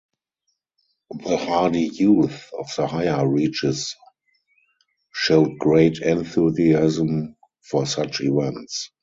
The hardy youth of the higher reaches showed great enthusiasm for such events.